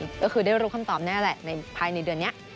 และเดินรูปคำตอบนี้น่าวาแหละภายในเดือนเนี้ย